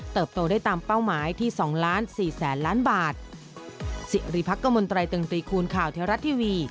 โตได้ตามเป้าหมายที่๒ล้าน๔แสนล้านบาท